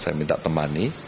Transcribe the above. saya minta temani